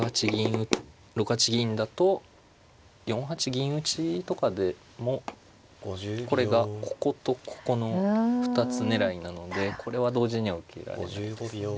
６八銀だと４八銀打とかでもこれがこことここの２つ狙いなのでこれは同時には受けられないですね。